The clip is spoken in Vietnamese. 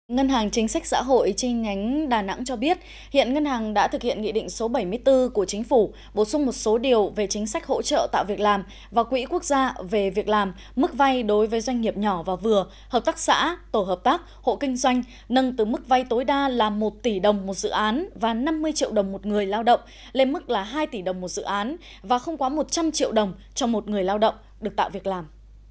ngân hàng chính sách xã hội trên nhánh đà nẵng cho biết hiện ngân hàng đã thực hiện nghị định số bảy mươi bốn của chính phủ bổ sung một số điều về chính sách hỗ trợ tạo việc làm và quỹ quốc gia về việc làm mức vay đối với doanh nghiệp nhỏ và vừa hợp tác xã tổ hợp tác hộ kinh doanh nâng từ mức vay tối đa là một tỷ đồng một dự án và năm mươi triệu đồng một người lao động lên mức là hai tỷ đồng một dự án và không quá một trăm linh triệu đồng cho một người lao động được tạo việc làm